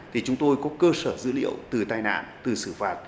thì chúng tôi có cơ sở dữ liệu từ tai nạn từ xử phạt